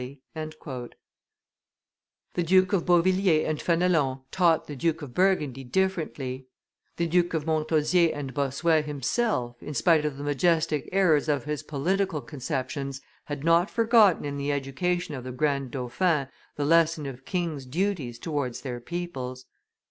[Illustration: The Boy King and his People 104] The Duke of Beauvilliers and Fenelon taught the Duke of Burgundy differently; the Duke of Montausier and Bossuet himself, in spite of the majestic errors of his political conceptions, had not forgotten in the education of the granddauphin the lesson of kings' duties towards their peoples.